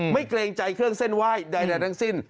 เกรงใจเครื่องเส้นไหว้ใดทั้งสิ้น